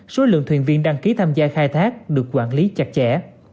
số lượng thuyền viên đăng ký tham gia khai thác được quản lý chặt chẽ